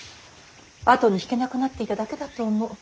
後に引けなくなっていただけだと思う。